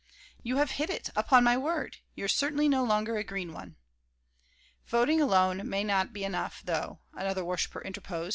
"You have hit it, upon my word! You're certainly no longer a green one." "Voting alone may not be enough, though," another worshiper interposed.